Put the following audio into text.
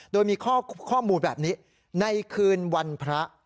โดยมีข้อมูลแบบนี้ในคืนวันพระ